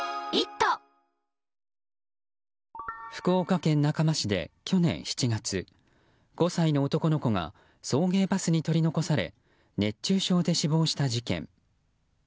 福岡県中間市で去年７月５歳の男の子が送迎バスに取り残され熱中症で死亡した事件。